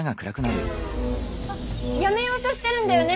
あっやめようとしてるんだよね？